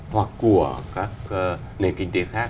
hoặc của các nền kinh tế khác